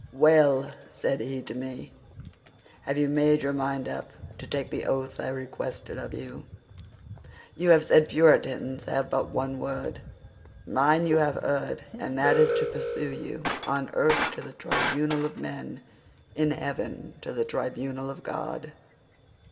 "'Well,' said he to me, 'have you made your mind up to take the oath I requested of you?' "'You have said Puritans have but one word. Mine you have heard, and that is to pursue you—on earth to the tribunal of men, in heaven to the tribunal of God.